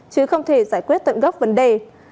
chứ không thể giải quyết tận gốc vấn đề